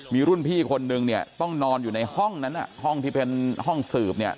มีรุ่นพี่คนนึงเนี่ยต้องนอนอยู่ในห้องนั้นห้องที่เป็นห้องสืบเนี่ย